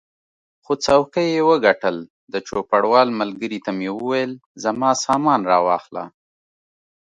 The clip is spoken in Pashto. خو څوکۍ یې وګټل، د چوپړوال ملګري ته مې وویل زما سامان را واخله.